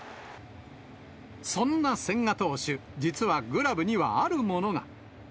そんな千賀投手、実はグラブにはあるものが。